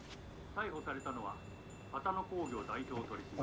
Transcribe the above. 逮捕されたのは波多野興業代表取締役」。